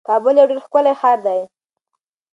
کابل یو ډیر ښکلی ښار دی.